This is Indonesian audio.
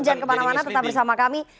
jangan kemana mana tetap bersama kami